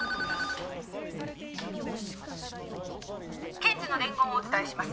「検事の伝言をお伝えします」